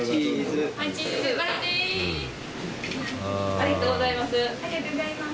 ・ありがとうございます。